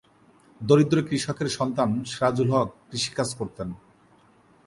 দরিদ্র কৃষকের সন্তান সিরাজুল হক কৃষিকাজ করতেন।